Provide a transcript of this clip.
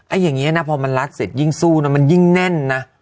อย่างนี้นะพอมันรัดเสร็จยิ่งสู้นะมันยิ่งแน่นนะ